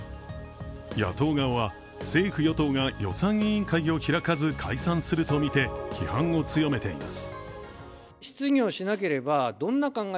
野党側は政府・与党が予算委員会を開かず解散するとみて批判を強めています。